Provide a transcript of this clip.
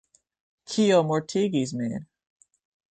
Kio mortigis min?